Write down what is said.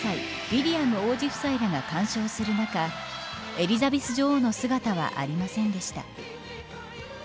ウィリアム王子夫妻が鑑賞する中エリザベス女王の姿はありませんでした。